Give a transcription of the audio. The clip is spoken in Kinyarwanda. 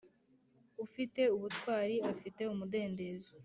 ufite ubutwari afite umudendezo.